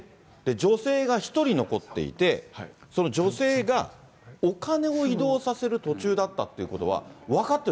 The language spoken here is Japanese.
女性が１人残っていて、その女性がお金を移動させる途中だったっていうことは、全部分かってる。